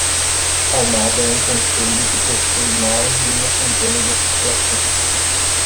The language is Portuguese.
Almada é um concelho que possui mais de uma centena de associações.